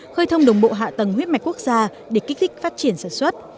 khơi thông đồng bộ hạ tầng huyết mạch quốc gia để kích thích phát triển sản xuất